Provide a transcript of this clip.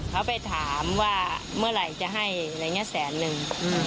เขาไปถามว่าเมื่อไหร่จะให้อะไรอย่างนี้แสนนึง